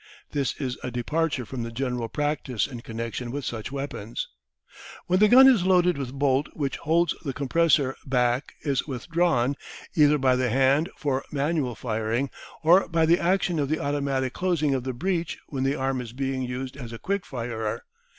This is a departure from the general practice in connection with such weapons. When the gun is loaded the bolt which holds the compressor back is withdrawn, either by the hand for manual firing, or by the action of the automatic closing of the breech when the arm is being used as a quick firer.